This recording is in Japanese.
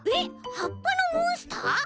はっぱのモンスター！？